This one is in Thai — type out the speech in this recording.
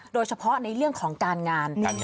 โดยเฉพาะในเรื่องของการงาน